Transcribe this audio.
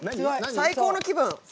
最高の気分！